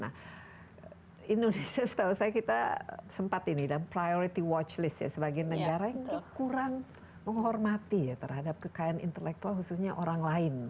nah indonesia setahu saya kita sempat ini dan priority watch list ya sebagai negara yang kurang menghormati ya terhadap kekayaan intelektual khususnya orang lain